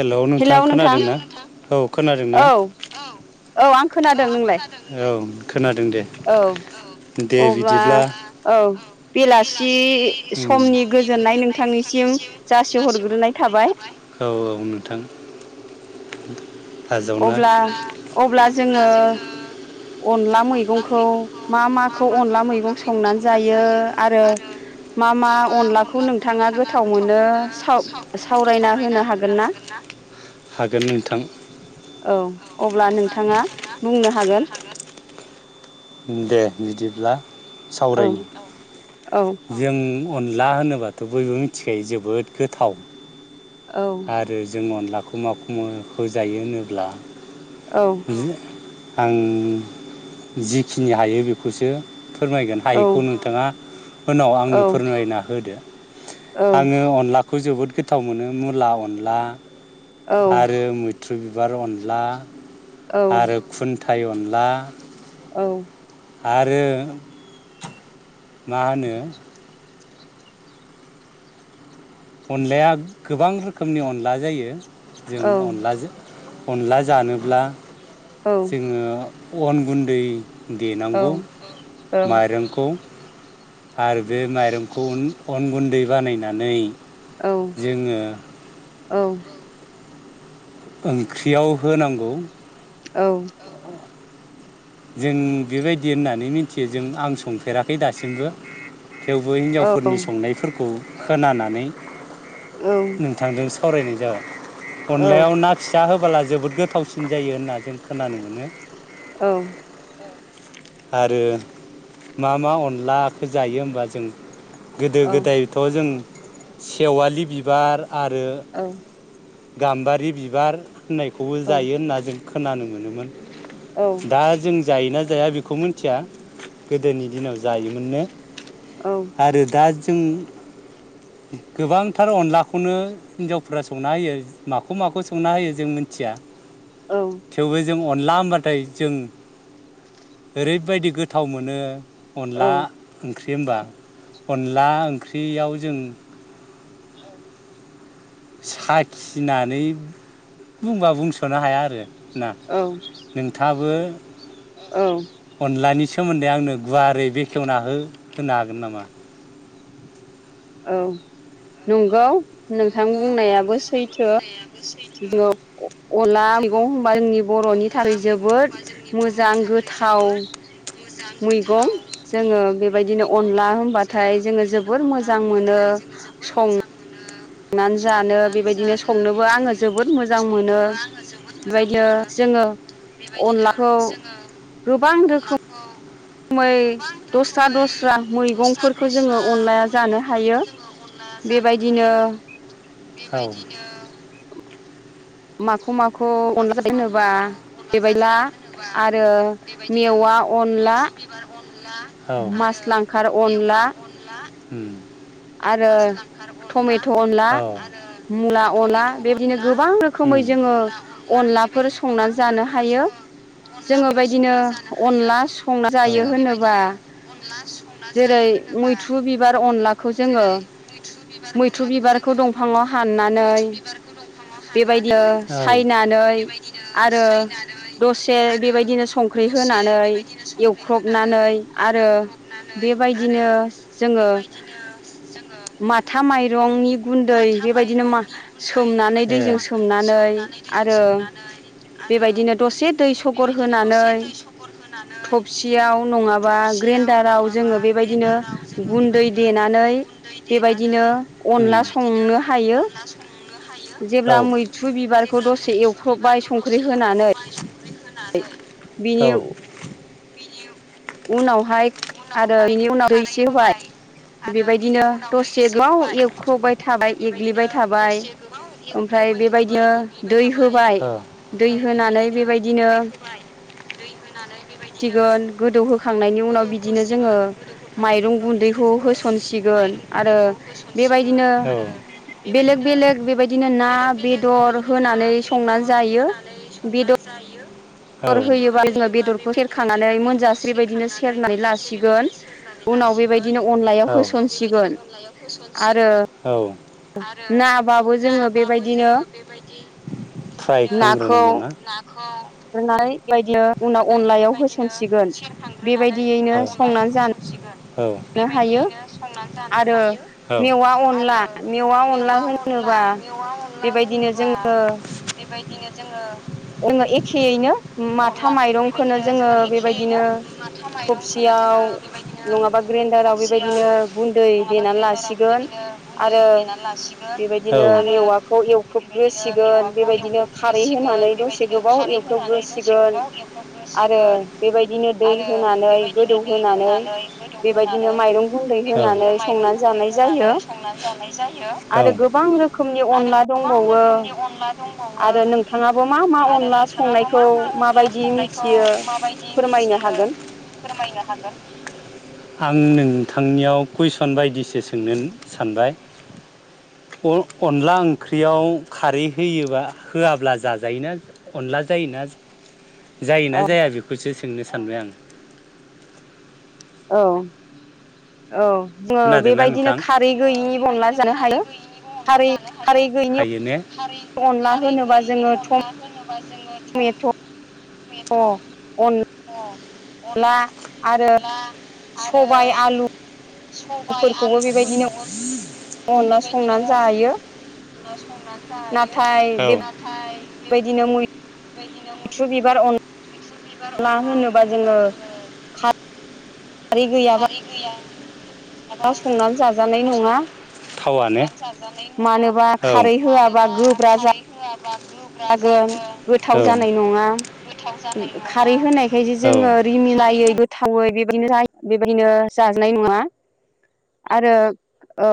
Hello नोंथां खोनादोंनाा औ औ खोनादोंना औ आं खोनादों नोंलाय खोनादों दे औ दे अब्ला बिदिब्ला औ बेलासि समनि गोजोननाय नोंथांनिसिम जासिहरग्रोनाय थाबाय औ नोंथां आजावनो अब्ला अब्ला जोङो अनला मैगंखौ मा माखौ अनला मैगं संनानै जायो आरो मा मा अनलाखौ नोंथाङा गोथाव मोनो सावरायना होनो हागोन ना हागोन नोंथां औ अब्ला नोंथाङा बुंनो हागोन दे बिदिब्ला औ सावरायनि औ जों अनला होनोबाथ' बयबो मिथिखायो जोबोद गोथाव औ आरो जों अनला खुमा खुमाो होजायो होनोब्ला औ आं जिखिनि हायो बेखौसो फोरमायगोन औ हायिखौ नोंथाङा उनाव औ आंनो फोरमायना होदो आङो अनलाखौ जोबोद गोथाव मोनो मुला अनला आरो मैथ्रु बिबार अनला औ आरो खुन थाय अनला औ आरो मा होनो अनलाया गोबां रोखोमनि अनला जायो जों अनलाजों अनला जानोब्ला जोङो अन गुन्दै देनांगौ माइरंखौ आरो बे माइरंखौ अन गुन्दै बानायनानै जोङो औ ओंख्रियाव होनांगौ औ जों बेबायदि होननानै मिथियो जों आं संफेराखै दासिमबो थेवबो हिनजावफोरनि संनायफोरखौ खोनानानै नोंथांदों सावरायनाय जाबाय अनलायाव ना फि फिसा होबला जोबोद गोथावसिन जायो होनना जों खोनानो मोनो औ आरो मा मा अनलाखौ जायो होमबा जों गोदो गोदायथ' जों सेवालि बिबार आरो गाम्बारि बिबार होननायखौबो जायो होनना जों खोनानो मोनोमोन दा जों जायोना जाया बेखौ मिथिया गोदोनि दिनाव जायोमोननो। आरो दा जों गोबांथार अनलाखौनो हिनजावफोरा संना होयो माखौ माखौ संना होयो जों मिथिया थेवबो जों अनला होमबाथाय जों ओरैबायदि गोथाव मोनो अनला ओं ओंख्रि होनबा अनला ओंख्रियाव जों साखिनानै बुंबा बुंस'नो हाया आरो ना औ औ नोंथाङाबो औ अनलानि सि सोमोन्दै आंनो गुवारै बेखेवना हो होनो हागोन नामा औ नंगौ नोंथां बुंनायाबो बुंनायाबो सैथो अला मैगं होमबा जोंनि बर'नि थाखाय जोबोद मोजां गोथाव मैगं जोङो बे बेबायदिनो अनला होनबाथाय जोङो जोबोर मोजां मोनो सं संनानै जानो संनोबो आङो बेबायदिनो जोबोद मोजां मोनो संनोबो आङो जोबोद मोजां बेबायदिनो मोनो जोङो बेबायदिनो अनलाखौ जोङो गोबां अनलाखौ दस्रा दस्रा मैगंफोरखौ जोङो अनलाया जानो हायो बेयो बेबायदिनो औ माखौ मा खौ अनला होनोब्ला बेबायला आरो मेवआ अनला बिबार अनला आरो मासलांखार मेवा अनला अनला आरो टमेट' अनला औ मुला अनला बेबायदिनो गोबां रोखोम मै उम जोङो अनलाफोर संना जानो हायो। जोङो अनलाफोर बेबायदिनो संना जानो हायो अनला संना जायो जोङो होनोबा बेबायदिनो अनला संना जेरै जायो होन मैथ्रु बिबार अनला जेरै मैथ्रु बिबार अनलाखौ बिबारखौ जोङो दंफाङाव मैथ्रु बिबारखौ दंफाङाव हाननानै ओ साइनानै आरो दसे बेबायदिनो संख्रि होनानै एवख्रबनानै नै आरो बेबायदिनो जोङो माथा माइरंनि गुन्दै बेबायदिनो मा सोमनानै दैजों सोमनानै सोमनानै दै जों आरो सोमनानै आरो बेबायदिनो दसे दै सगर बेबायदिनो दसे दै सगर होनानै याव नंङाबा ग्रेनदारआव जोंङो बेबायदिनो गुन्दै देनानै बेबायदिनो अनला संनो हायो। औ जेब्ला मैथ्रु बिबारखौ दसे एव [inaudible] बिनि औ उनावहाय आरो बेनि उनाव दै एसे होबाय बेबायदिनो दसे गोबाव एवख्र'बाय थाबाय एग्लिबाय थाबाय ओमफ्राय बेबायदिनो दै होबाय औ दै होनानै बेबायदिनो सिगोन [inaudible] गोदौहोखांनायनि उनाव बिदिनो जोङो माइरं गुन्दैखौ होसनसिगोन आरो बेबायदिनो बेलेग बेलेग बेबायदिनो ना बेदर होनानै संनानै जायो। बेदर बेदर होयोबा जोङो बेदरखौ सेरखांनानै मोनजासे बेबायदिनो सेरनानै लासिगोन [inaudible] औ [inaudible] औ आरो उनाव बेबायदिनो अनलायाव होसनसिगोन आरो नाबाबो जोङो नाबाबो बेबायदिनो जोङो बेबायदि फ्राय नाखौ खालामग्रोनांगौ ना नानै बेबायदिनो उनाव होनानै अनलायाव बेबायदिनो होसनसिगोन सेरखांग्रोनानै बेबायदियैनो उनाव अनलायाव संनानै जानो होसनसिगोन औ हायो बेबायदियैनो संनानै जानो आरो हायो औ मेवा आरो अनला मेवा अनला मेवा अनला बिदिनो जोङो [inaudible] एखेयैनो माथा माइरंखौनो जोङो बेबायदिनो थबसि आव नङाबा ग्रेन्डाराव बेबायदिनो गुन्दै देनानै लासिगोन आरो ओ बेबायदिनो मेवाखौ एवख्रुबग्रोसिगोन बेबायदिनो खारै होनानै दसे गोबाव एवख्रोबग्रोसिगोन आरो बेबायदिनो दै होनानै गोदौ हो होनानै गोदौ होनानै गुन्दै औ होनानै बेबायदिनो माइरं संनानै गुनदै जानाय होनानै जायो संनानै जानाय जायो। औ आरो गोबां रोखोमनि आरो अनला गोबां दंबावो रोखोमनि अनला दंबावो आरो नोंथाङाबो मा मा आरो अनला नोंथाङाबो संनायखौ मा मा अनला माबायदि संनायखौ मिथियो माबायदि फोरमायनो मिथियो? हागोन फोरमायनो हागोन। आं नोंथांनियाव कुइसन बायदिसो सोंनो सानबाय। अन-अनला ओंख्रियाव खारै होयोबा होआब्ला जाजायोना अनला जायोना? औ जायोना जाया बेखौसो सोंनो सानबाय आं। औ औ जोङो खोनादोंना बेबायदिनो नोंथां खारै गैयिनि बो अनला जानो हायो खारै खारै गैयिनि हायो ने! अनला होनोबा जोङो [inaudible] बा जोङो टमेट' थमेथ दं अनला आरो सबाइ आलु सबाइ आलु फोरखोबो अनला बेबायदिनो संनानै अन जायो होना सं ना जायो नाथाय औ नाथाय बे बेबायदिनो बायदिनो मैथ्रु बिबार बिबार अनला होयोबा जोङो खारै गैया दा संनानै जाजानाय नङा। थावानो नङा मानोबा औ खारै होआबा मानोबा गोब्रा खारै होआबा जुग्रा जागोन नाय नङा खारि होनायखायसो औ जोङो रिमिनायै गोथावै [unintelligible] बिबदिनो जाजानाय नङा आरो ओ